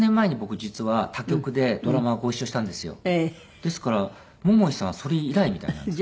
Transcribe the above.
ですから桃井さんはそれ以来みたいなんです。